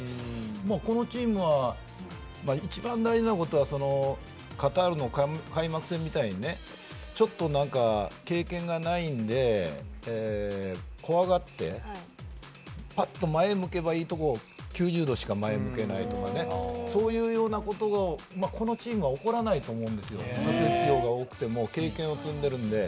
このチームで一番大事なことはカタールの開幕戦みたいにちょっと経験がないので怖がってぱっと前を向けばいいところを９０度しか前を向けないとかそういうようなことはこのチームは起こらないと思うんです経験を積んでいるので。